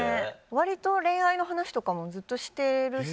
割と恋愛の話とかもずっとしてるし。